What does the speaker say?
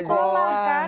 lagu sekolah kan